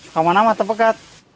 kamanah mata pekat